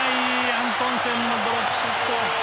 アントンセンのドロップショット。